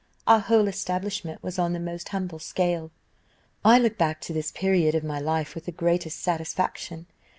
Our whole establishment was on the most humble scale. "I look back to this period of my life with the greatest satisfaction.